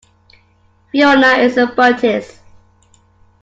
Fiona is a Buddhist.